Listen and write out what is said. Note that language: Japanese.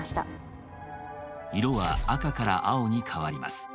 色は赤から青に変わります。